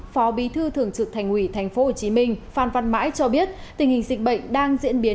phó bí thư thường trực thành ủy tp hcm phan văn mãi cho biết tình hình dịch bệnh đang diễn biến